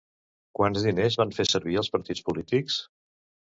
Quants diners van fer servir els partits polítics?